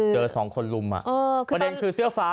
เพราะว่าภาพค่อนข้างจะเกิดมาก